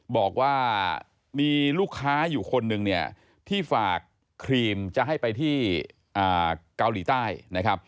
บอกว่ามีลูกค้าอยู่คนหนึ่งเนี่ยที่ฝากครีมจะให้ไปที่เกาหลีใต้นะครับ